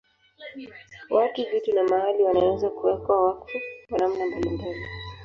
Watu, vitu na mahali wanaweza kuwekwa wakfu kwa namna mbalimbali.